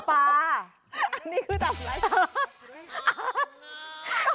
อันนี้คือตำไลฟ์